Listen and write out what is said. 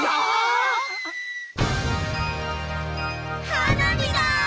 はなびだ！